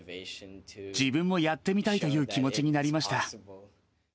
自分もやってみたいという気持ちになりました。